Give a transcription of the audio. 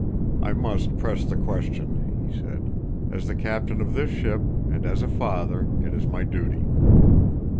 "I must press the question," he said. "As the captain of this ship, and as a father, it is my duty.